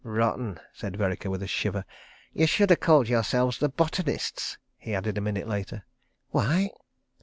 ... "Rotten," said Vereker, with a shiver. "You sh'd have called yourselves The Botanists," he added a minute later. "Why?"